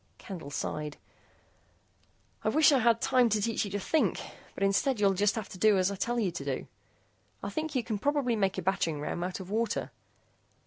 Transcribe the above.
Candle sighed. "I wish I had time to teach you to think, but instead, you'll have to do as I tell you to do. I think you can probably make a battering ram out of water.